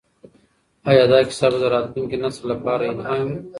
ایا دا کیسه به د راتلونکي نسل لپاره الهام وي؟